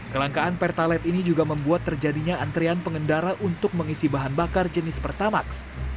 kelangkaan pertalite ini juga membuat terjadinya antrean pengendara untuk mengisi bahan bakar jenis pertamax